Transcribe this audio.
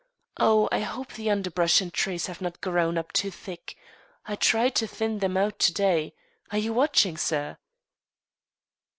Oh, I hope the underbrush and trees have not grown up too thick! I tried to thin them out to day. Are you watching, sir?"